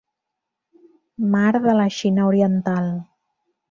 Mar de la Xina Oriental.